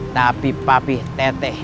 tapi papi teteh